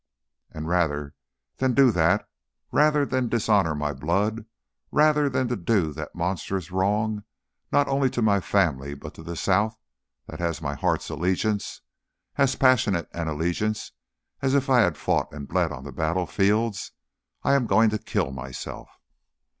And rather than do that, rather than dishonour my blood, rather than do that monstrous wrong, not only to my family but to the South that has my heart's allegiance as passionate an allegiance as if I had fought and bled on her battlefields I am going to kill myself.